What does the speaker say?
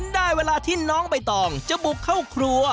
ได้เวลาที่น้องใบตองจะบุกเข้าครัว